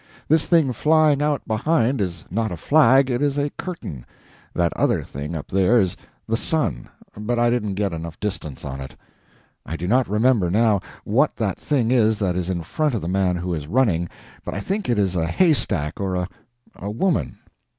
This thing flying out behind is not a flag, it is a curtain. That other thing up there is the sun, but I didn't get enough distance on it. I do not remember, now, what that thing is that is in front of the man who is running, but I think it is a haystack or a woman.